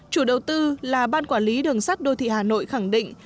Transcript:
chủ đầu tư là ban quản lý đường sắt đô thị hà nội khẳng định